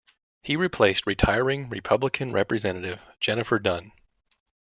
He replaced retiring Republican representative Jennifer Dunn.